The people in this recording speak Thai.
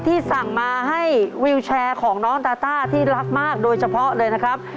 ที่สั่งมาให้วิวแชร์ของน้องตาต้าที่รักมากโดยเฉพาะเลยนะครับ